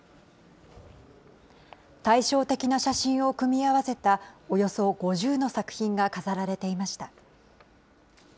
対称的な写真を組み合わせたおよそ５０の作品が飾られていました。